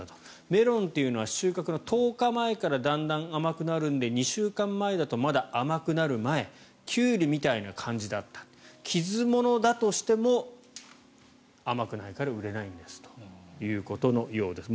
メロンというのは収穫の１０日前からだんだん甘くなるので２週間前だと、まだ甘くなる前キュウリみたいな感じだった傷物だとしても甘くないから売れないんですということのようです。